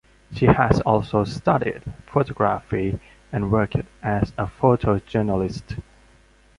She has also studied photography and worked as a photojournalist.